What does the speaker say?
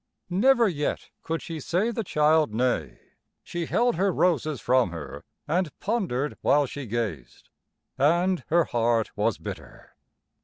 Never yet could she say the child nay. She held her roses from her and pondered while she gazed. And her heart was bitter.